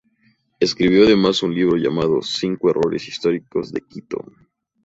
Escribió además un libro llamado "Cinco errores históricos de Quito".